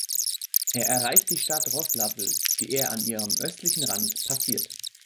Er erreicht die Stadt Roslawl, die er an ihrem östlichen Rand passiert.